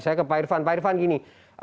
saya ke pak irvan pak irvan gini